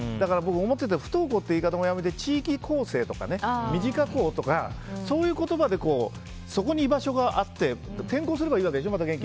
僕思ってて不登校っていう言い方をやめて地域厚生とかそういう言葉でそこに居場所があって転校すればいいわけでしょ。